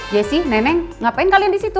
jessy neneng ngapain kalian disitu